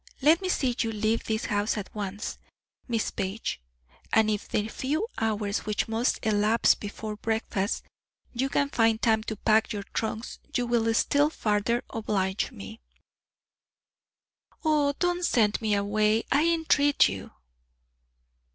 Let me see you leave this house at once, Miss Page; and if in the few hours which must elapse before breakfast you can find time to pack your trunks, you will still farther oblige me." "Oh, don't send me away, I entreat you."